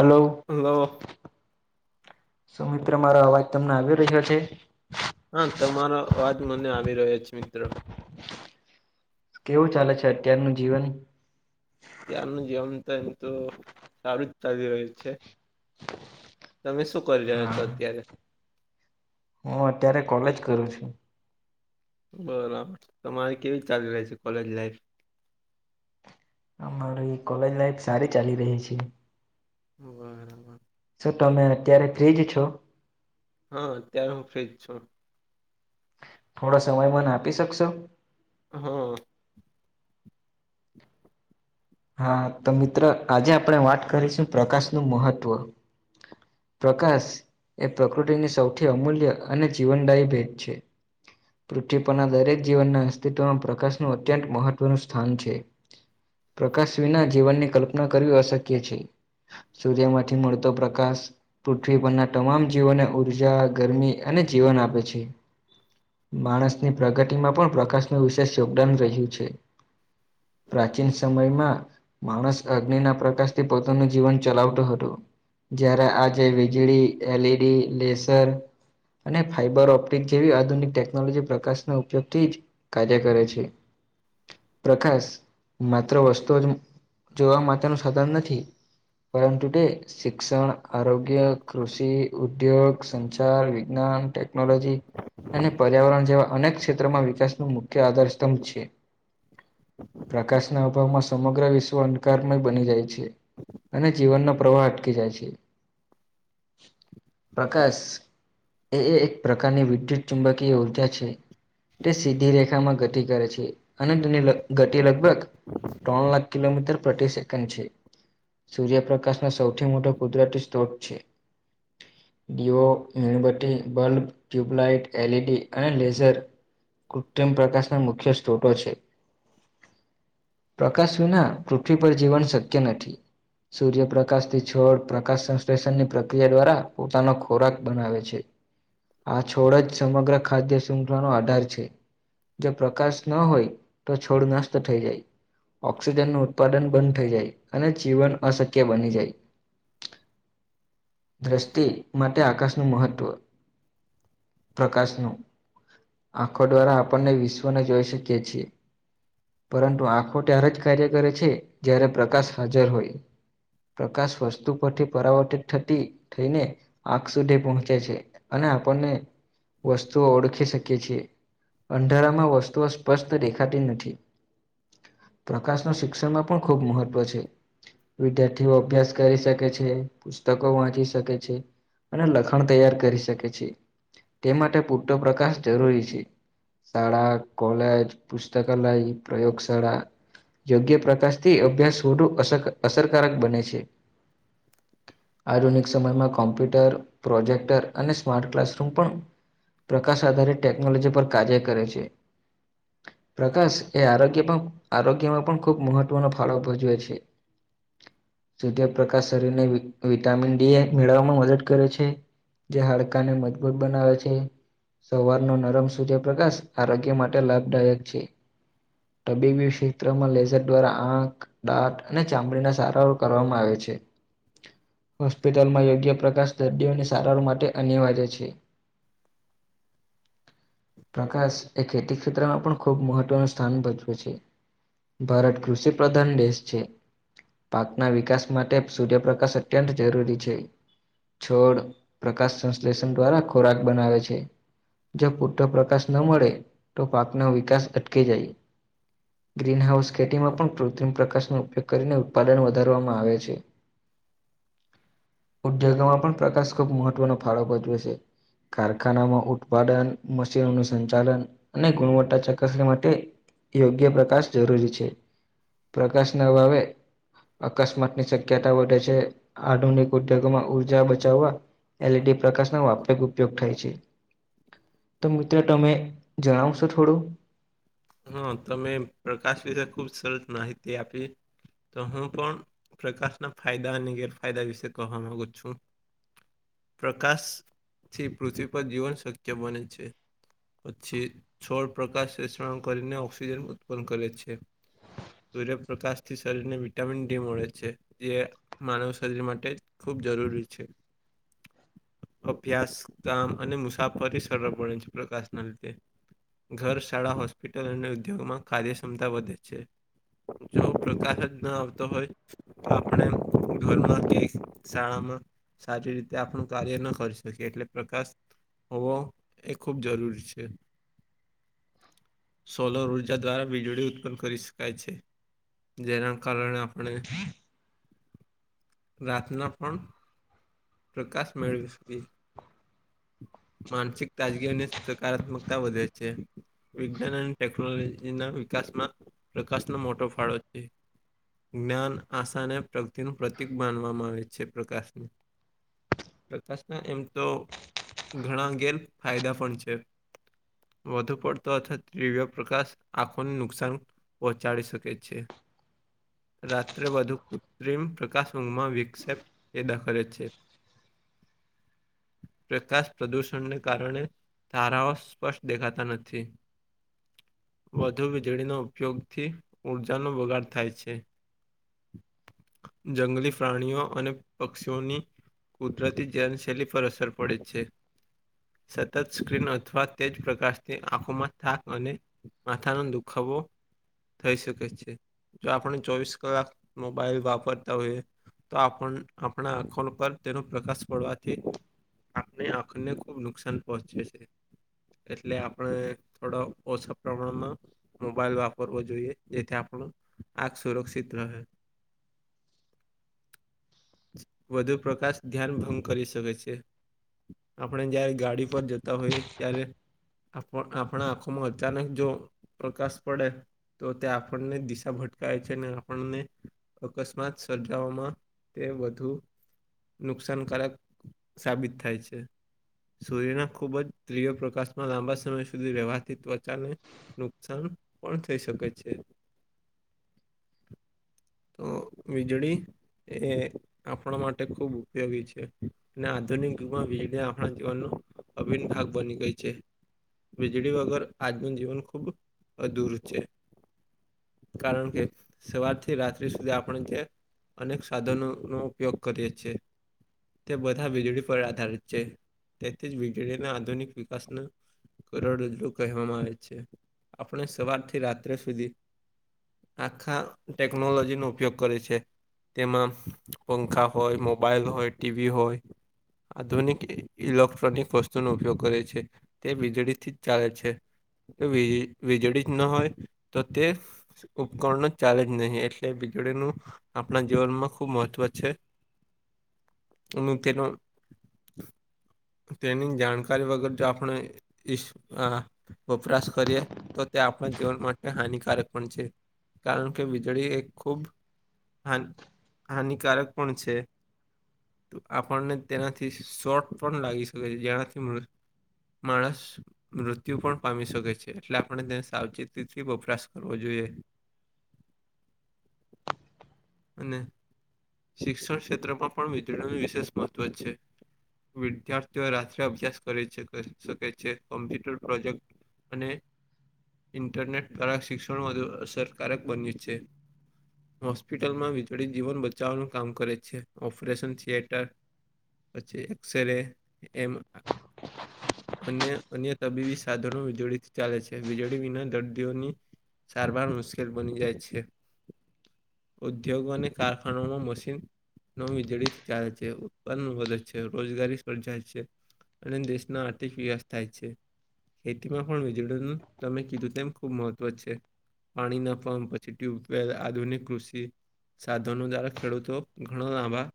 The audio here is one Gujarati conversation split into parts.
હલો. હલો. શું મિત્ર મારો અવાજ તમને આવી રહ્યો છે. હા તમારો અવાજ મને આવી રહ્યો છે મિત્ર કેવું ચાલે છે અત્યારનું જીવન ત્યાર નું જીવન તો એમ તો સારું જ ચાલી રહ્યું છે. તમે શું કરી રહ્યા છો હા અત્યારે હું અત્યારે કોલેજ કરું છું. બરાબર તમારે કેવી ચાલી રહિ છે કોલેજ લાઈફ અમારી કોલેજ લાઈફ સારી ચાલી રહી છે. બરાબર સર તમે અત્યારે ફ્રીજ છો હા અત્યારે હું ફ્રીજ છું થોડો સમય મને આપી શકશો હા. [inaudible] હા તો મિત્ર આજે આપણે વાત કરીશું પ્રકાશ નું મહત્વ પ્રકાશ એ પ્રકૃતિની સૌથી અમૂલ્ય અને જીવનદાયી ભેટ છે. પૃથ્વી પરના દરેક જીવનના અસ્તિત્વમાં પ્રકાશનું અત્યંત મહત્ત્વનું સ્થાન છે. પ્રકાશ વિના જીવનની કલ્પના કરવી અશક્ય છે સૂર્ય માંથી મળતો પ્રકાશ પૃથ્વી પરના તમામ જીવોને ઉર્જા ગરમી અને જીવન આપે છે. માણસની પ્રગતિમાં પણ પ્રકાશનું વિશેષ યોગદાન રહ્યું છે. પ્રાચીન સમયમાં માણસ અગ્નિ ના પ્રકાશથી પોતાનું જીવન ચલાવતો હતો. જયારે આજે વીજળી એલઈડી લેસર અને ફાઈબર ઓપ્ટિક જેવી આધુનિક ટેકનોલોજી પ્રકાશનો ઉપયોગ થી જ કાર્ય કરે છે પ્રકાશ માત્ર વસ્તુ જ જોવા માટેનું સાધન નથી પરંતુ તે શિક્ષણ આરોગ્ય કૃષિ ઉદ્યોગ સંચાર વિજ્ઞાન ટેકનોલોજી અને પર્યાવરણ જેવા અનેક ક્ષેત્રોમાં વિકાસ નું મુખ્ય આધાર સ્તંભ છે. પ્રકાશના અભાવમાં સમગ્ર વિશ્વ અંધકારમય બની જાય છે. અને જીવનનો પ્રવાહ અટકી જાય છે પ્રકાશ એ એ એક પ્રકારની વિદ્યુત ચુંબકીય ઉર્જા છે. તે સીધી રેખામાં ઘતિ કરે છે અને તેની ગતિ લગભગ ત્રણ લાખ કિલોમીટર પ્રતિ સેકન્ડ છે. સૂર્યપ્રકાશનો સૌથી મોટો કુદરતી સ્ત્રોત છે. દીઓ મીણબતી બલ્બ ટ્યુબલાઈટ એલઈડી અને લેઝર કૃત્રિમ પ્રકાશના મુખ્ય સ્રોતો છે. પ્રકાશ વિના પૃથ્વી પર જીવન શક્ય નથી સૂર્ય પ્રકાશથી છોડ પ્રકાશ સંશ્લેષણની પ્રક્રિયા દ્વારા પોતાનો ખોરાક બનાવે છે. આ છોડ જ સમગ્ર ખાદ્ય શૂખલાનો આધાર છે. જો પ્રકાશ ન હોય તો છોડ નાસટ થઈ જાય ઓક્સિજનનું ઉત્પાદન બંધ થઈ જાય અને જીવન અશક્ય બની જાય દ્રષ્ટિ માટે આકાશનું મહત્વ પ્રકાશનું આખો દ્વારા આપણને વિશ્વને જોઈ શકીએ છીએ પરંતુ આ ખો ત્યારે જ કાર્ય કરે છે, જયારે પ્રકાશ હાજર હોય પ્રકાશ વસ્તુ પરથી પરાવર્તિત થતી થઈને આંખ સુધી પહોંચે છે, અને આપણને વસ્તુઓ ઓળખી શકીએ છીએ અંધારામાં વસ્તુઓ સ્પષ્ટ દેખાતી નથી પ્રકાશનુ શિક્ષણમાં પણ ખૂબ મહત્ત્વ છે. વિદ્યાર્થીઓ અભ્યાસ કરી શકે છે, પુસ્તકો વાંચી શકે છે. અને લખણ તૈયાર કરી શકે છે, તે માટે પૂરતો પ્રકાશ જરૂરી છે. શાળા, કોલેજ, પુસ્તકાલય, પ્રયોગ શાળા યોગ્ય પ્રકાશથી અભ્યાસ વધુ અસક અસરકારક બને છે. આધુનિક સમયમાં કોમ્પ્યુટર પ્રોજેક્ટર અને સ્માર્ટ ક્લાસરૂમ પણ પ્રકાશ આધારિત ટેકનોલોજી પર કાર્ય કરે છે. પ્રકાશ એ આરોગ્ય પ આરોગ્યમાં પણ ખુબ મહત્વનો ફાળો ભજવે છે. સૂધ્ય પ્રકાશ શરીરને વિ વિટામિન ડી મેળવવામાં મદદ કરે છે. જે હાડકા ને મજબૂત બનાવે છે. સવારનો નરમ સૂર્યપ્રકાશ આરોગ્ય માટે લાભદાયક છે તબીબી ક્ષેત્રમાં લેઝર દ્વારા આંખ, દાટ અને ચામડીના સારવાર કરવામાં આવે છે. હોસ્પિટલમાં યોગ્ય પ્રકાશ દર્દીઓની સારવાર માટે અનિવાર્ય છે. પ્રકાશ એ ખેતી ક્ષેત્રમાં પણ ખૂબ મહત્વનું સ્થાન ભજ વે છે, ભારત કૃષિ પ્રધાન દેશ છે. પાકના વિકાસ માટે સૂર્યપ્રકાશ અત્યંત જરૂરી છે. છોડ પ્રકાશ સંશ્લેષણ દ્વારા ખોરાક બનાવે છે. જો પૂરતો પ્રકાશ ન મળે તો પાકનો વિકાસ અટકે જાય ગ્રીનહાઉસ ખેટીમાં પણ કૃત્રિમ પ્રકાશનો ઉપયોગ કરીને ઉત્પાદન વધારવામાં આવે છે. ઉદ્યોગોમાં પણ પ્રકાશ ખુબ મહત્વનો ફાળો ભજવે છે. કારખાનામાં ઉત્પાદન મશીનોનું સંચાલન અને ગુણવત્તા ચકાસણી માટે યોગ્ય પ્રકાશ જરૂરી છે, પ્રકાશના અભાવે અકસ્માતની શક્યતા વધે છે, આધુનિક ઉદ્યોગોમાં ઉર્જા બચાવવા એલડી પ્રકાશ [unintelligible] ઉપયોગ થાય છે, તો મિત્ર તમે જણાવશો થોડું હ તમે પ્રકાશ વિશે ખુબ સરસ માહિતી આપી તો હું પણ પ્રકાશના ફાયદા અને ગેરફાયદા વિશે કહવા માંગુ છું. પ્રકાશથી પૃથ્વી પર જીવન શક્ય બને છે. પછી છોડ પ્રકા [unintelligible] કરીને ઓક્સિજન ઉત્પન્ન કરે છે. સૂર્યપ્રકાશથી શરીર ને વિટામિન ડી મળે છે, જે માનવ શરીર માટે ખૂબ જરૂરી છે. અભ્યાસ કામ અને મુસાફરી સરળ બને છે, પ્રકાશના લીધે ઘર, શાળા, હોસ્પિટલ અને ઉદ્યોગોમાં કારાદ્યક્ષ્મતા વધે છે. જો પ્રકાશ જ ન આવતો હોય આપણે ધોરમાંથી શાળામાં સારી રીતે આપણું કાર્ય ન કરી શકીએ. એટલે પ્રકાશ હોવો એ ખૂબ જરૂરી છે. સોલર ઉર્જા દ્વારા વીજળી ઉત્પન્ન કરી શકાય છે. જેના કારણે આપણે, રાતના પણ પ્રકાશ મેળવી શકયે. માનસિક તાજગીની સકારાત્મકતા વધે છે. વિજ્ઞાન અને ટેકનોલોજીના વિકાસમાં પ્રકાશનો મોટો ફાળો છે. જ્ઞાન આશાને પ્રગતિનું પ્રતિક માનવામાં આવે છે પ્રકાશને. પ્રકાશના એમ તો ઘણા અ ઘેર ફાયદા પણ છે. વધુ પડતો અથવા દીવ્ય પ્રકાશ આંખોને નુકસાન પહોંચાડી શકે છે. રાત્રે બાુ કૃત્રિમ પ્રકાશ ઊંઘમાં વિક્ષેપ એ દાખલે છે. [inaudible] પ્રકાશ પ્રદૂષણને કારણે, તારાઓ સ્પષ્ટ દેખાતા નથી. વધુ વીજળીનો ઉપયોગ થી ઊર્જાનો બગાડ થાય છે. જંગલી પ્રાણીઓ અને પક્ષીઓની કુદરતી જૈનશૈલી પર અસર પડે છે. સતત સ્ક્રીન અથવા તેજ પ્રકાશથી આંખોમાં થાક અને માથાનો દુઃખવો. થઈ શકે છે, જો આપણે ચોવીસ કલાક મોબાઈલ વાપરતા હોઈએ. તો આપણ આપણા આંખોડ પર. તેનો પ્રકાશ પડવાથી આપણે આંખને ખુબ નુકસાન પહોંચે છે. એટલે આપણે થોડા ઓછા પ્રમાણમાં. મોબાઈલ વાપરવો જોઈએ, જેથી આપણો આંખ સુરક્ષિત રહે. [inaudible] વધુ પ્રકાશ ધ્યાન ભંગ કરી શકે છે. આપણે જયારે ગાડી પર જતા હોઈ ત્યારે આપ આપણા આંખોમાં અચાનક જો પ્રકાશ પડે. તો તે આપણને દિશા ભટકાય છે. અને આપણને અકસ્માત સર્જાવામાં. તે વધુ. નુકસાનકારક સાબિત થાય છે. સૂર્યના ખૂબ જ ત્રિય પ્રકાશમાં લાંબા સમય સુધી વ્યહથી ત્વચાને. નુકસાન પણ થઈ શકે છે. [inaudible] તો વીજળી એ આપણા માટે ખુબ ઉપયોગી છે, અને આધુનિક યુગમાં વીજળી આપણા જીવનનું. અભિન ઠાક બની ગઈ છે. વીજળી વગર આજનું જીવન ખૂબ અધૂર છે. કારણ કે સવાર થી રાત્ર્રી સુધી આપણે જે અનેક સાધનોનો ઉપયોગ કરીએ છે. તે બધા વીજળી પર આધારિત છે, તેથી જ વીજળીના આધુનિક વિકાસનું કરોડ રજું કહેવામાં આવે છે, આપણે સવારથી રાત્રે સુધી. આખા ટેકનોલોજીનો ઉપયોગ કરે છે, તેમાં પંખા. હોય, મોબાઈલ હોય, ટીવી હોય. આધુનિક ઇલેક્ટ્રોનિક વસ્તુનો ઉપયોગ કરે છે. તે વીજળીથી જ ચાલે છે, વીજળી જ ન હોય તો તે ઉપકરણો ચાલે જ નહી, એટલે વીજળીનું આપણા જીવનમાં ખુબ મહત્વ છે. [unintelligible] તેની જાણકારી વગર જો આપણે વપરાશ કરીએ, તો તે આપણા જીવન માટે હાનિકારક પણ છે, કારણ કે વીજળી એક ખૂબ હાાન હાનિકારક પણ છે. તો આપણને તેનાથી શોર્ટ પણ લાગી શકે છે જેનાથી માણસ મૃત્યુ પણ પામી શકે છે એટલે આપણે તેને સાવચેતીથી વપરાશ કરવો જોઈએ. અને શિક્ષણ ક્ષેત્રમાં પણ વિદળનું વિશેષ મહત્વ છે. વિદ્યાર્થીઓ રાત્રે અભ્યાસ કરે છે શકે છે કોમ્પ્યુટર પ્રોજેક્ટ અને ઇન્ટરનેટ દ્વારા શિક્ષણ વધુ અસરકારક બન્યું છે. હોસ્પિટલમાં વિજળી જીવન બચાવવાનું કામ કરે છે ઓપરેશન થિયેટર. પછી એક્સ રે એમ અન્ય અન્ય તબીબી સાધનો વીજળીથી ચાલે છે વીજળી વિના દર્દીઓની સારવાર મુશ્કેલ બની જાય છે. ઉદ્યોગો અને કારખાનામાં મશીન નવ વીજળીથી ચાલે છે ઉત્પાદન વધે છે રોજગારી સર્જાય છે. અને દેશના આર્થિક વિકાસ થાય છે. ખેતીમાં પણ વેજળીનું તમે કીધું તેમ ખુબ મહત્વ છે. પાણીના પપ પછી ટ્યુબવેલ આધુનિક કૃષિ સાધનો દ્વારા ખેડૂતો ઘણો લાંબા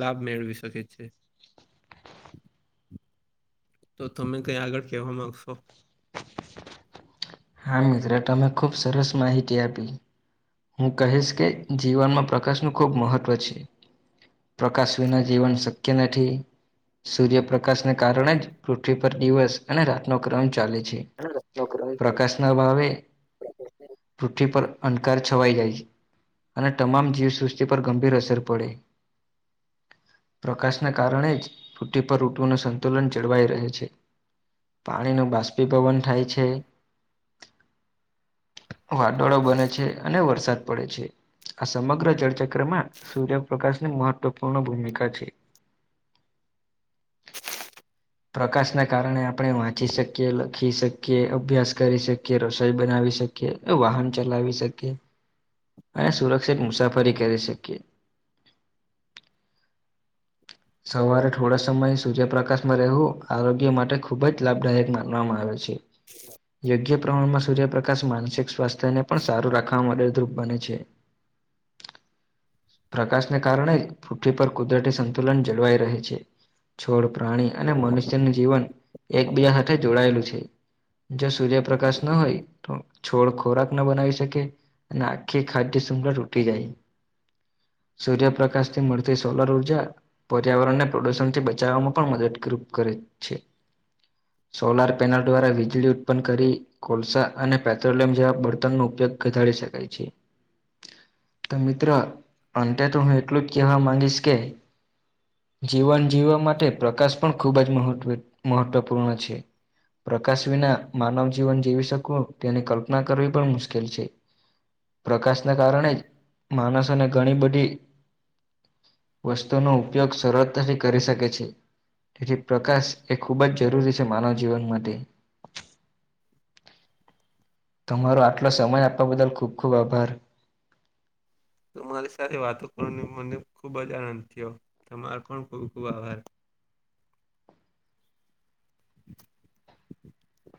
લાભ મેળવી શકે છે. તો તમે ક્યાં આગળ કહેવા માગશો? [inaudible] હા મિત્ર તમે ખુબ સરસ માહિતી આપી. હું કહીશ કે જીવનમાં પ્રકાશનું ખૂબ મહત્ત્વ છે. પ્રકાશ વિના જીવન શક્ય નથી. સૂર્યપ્રકાશને કારણે જ પૃથ્વી પર દિવસ અને રાતનો ક્રમ ચાલે છે. પ્રકાશના ભાવે, પૃથ્વી પર અંકાર છવાઈ જાય છે, અને તમામ જીવસૃષિ પર ગંભીર અસર પડે. પ્રકાશને કારણે જ રૂટી પર ઊટુનું સંતુલન જળવાઈ રહે છે. પાણીનું બાષ્પી પવન થાય છે. વાદોળો બને છે અને વરસાદ પડે છે. આ સમગ્ર જળચક્રમાં સૂર્યપ્રકાશની મહત્વપૂર્ણ ભૂમિકા છે. પ્રકાશના કારણે આપણે વાંચી શકીએ લખી શકીએ અભ્યાસ કરી શકીએ રસોઈ બનાવી શકીએ. વાહન ચલાવી શકીએ, અને સુરક્ષિત મુસાફરી કરી શકીએ. સવારે થોડા સમય સૂર્યપ્રકાશમાં રહેવું આરોગ્ય માટે ખૂબ જ લાભદાયક માનવામાં આવે છે. [inaudible] યોગ્ય પ્રમાણમાં સૂર્યપ્રકાશ માનસિક સ્વાસ્થ્યને પણ સારું રાખવામાં મદદરૂપ બને છે. પ્રકાશને કારણે જ પૂઠ્ઠી પર કુદરતી સંખ્યા આંદોલન જળવાઈ રહે છે. છોડ પ્રાણી અને મનુષ્યનું જીવન એકબીજા સાથે જોડાયેલું છે. જો સૂર્યપ્રકાશ ન હોય તો છોડ ખોરાક ના બનાવી શકે. અને આખી ખા્ય સુુંમડા ર ઉટે જાય. સૂર્યપ્રકાશ થી મળતી સોલર ઉર્જા પર્યાવરણને પ્રદુષણથી બચાવવામાં પણ મદદ ગ્રુપ રૂપ કરે છે. સોલાર પેનલ દ્વારા વીજળી ઉત્પન કરી કોલસા અને પેટ્રોલિયમ જેવા બર્તન નો ઉપયોગ ઘટાડી શકાય છે. તો મિત્રો અંતે તો હું એટલું જ કહેવા માંગીશ કે જીવન જીવવા માટે પ્રકાશ પણ ખૂબ જ મહત્વ મહત્વપૂર્ણ છે. પ્રકાશ વિના માનવ જીવન જીવી શકવું તેની કલ્પના કરવી પણ મુશ્કેલ છે. પ્રકાશને કારણે જ માણસોને ઘણી બધી તો નો ઉપયોગ સરળતાથી કરી શકે છે. તેથી પ્રકાશ એ ખૂબ જ જરૂરી છે માનવ જીવન માટે [inaudible] તમારો આટલો સમય આપવા બદલ ખુબ ખુબ આભાર મારી સાથે વાતો કરવાનો મને ખુબ જ આનંદ થયો તમારો પણ ખૂબ ખૂબ આભાર. [inaudible]